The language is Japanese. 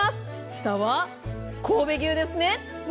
下は神戸牛ですね。